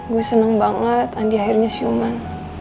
gua seneng banget andi akhirnya siuman